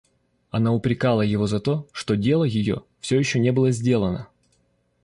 Она упрекала его за то, что дело ее всё еще не было сделано.